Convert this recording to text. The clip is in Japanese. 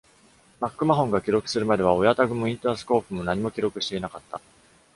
マックマホンが記録するまでは親タグもインタースコープも何も記録していなかった。